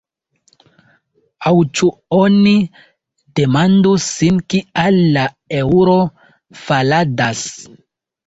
Aŭ ĉu oni demandu sin kial la eŭro faladas?